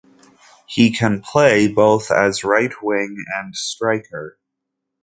He can play both as right wing and striker.